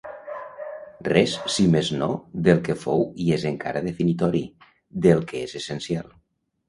Res, si més no, del que fou i és encara definitori, del que és essencial.